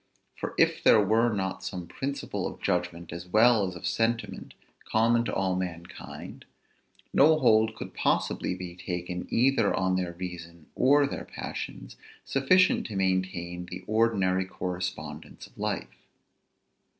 For if there were not some principles of judgment as well as of sentiment common to all mankind, no hold could possibly be taken either on their reason or their passions, sufficient to maintain the ordinary correspondence of life.